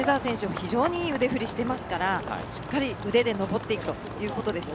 非常にいい腕振りしていますからしっかり腕で上っていくということです。